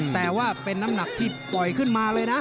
แต่ว่าเป็นน้ำหนักที่ปล่อยขึ้นมาเลยนะ